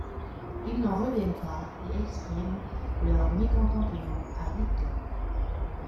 Ils n'en reviennent pas et expriment leur mécontentement à Victor.